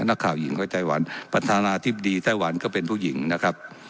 นักข่าวหญิงไว้ไต้หวันประธานาธิบดีไต้หวันก็เป็นผู้หญิงนะครับ